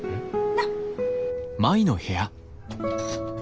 なっ。